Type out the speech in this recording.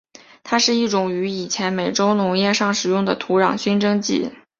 它是一种于以前美洲农业上使用的土壤熏蒸剂。